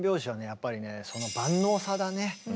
やっぱりねその万能さだね。